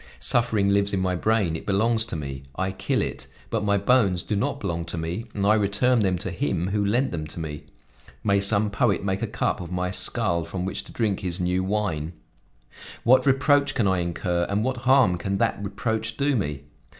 Suffering lives in my brain; it belongs to me, I kill it; but my bones do not belong to me and I return them to Him who lent them to me: may some poet make a cup of my skull from which to drink his new wine What reproach can I incur and what harm can that reproach do me?